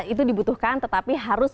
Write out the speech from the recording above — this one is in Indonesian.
itu dibutuhkan tetapi harus